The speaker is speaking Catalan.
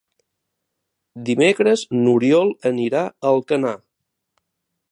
Dimecres n'Oriol anirà a Alcanar.